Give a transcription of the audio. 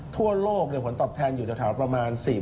ทั่วโลกเหลือผลตอบแทนอยู่จากฐานประมาณ๔